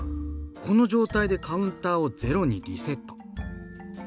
この状態でカウンターをゼロにリセット。